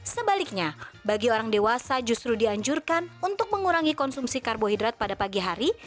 sebaliknya bagi orang dewasa justru dianjurkan untuk mengurangi konsumsi karbohidrat pada pagi hari